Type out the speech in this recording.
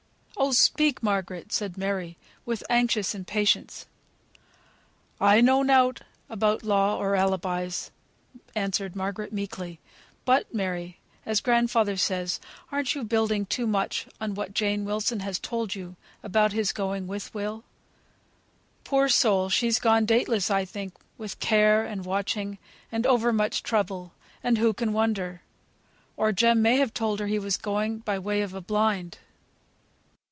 "Oh, speak! Margaret," said Mary, with anxious impatience. "I know nought about law, or alibis," replied Margaret, meekly; "but, Mary, as grandfather says, aren't you building too much on what Jane Wilson has told you about his going with Will? Poor soul, she's gone dateless, I think, with care, and watching, and over much trouble; and who can wonder? Or Jem may have told her he was going, by way of a blind."